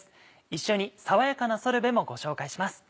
一緒に爽やかなソルベもご紹介します。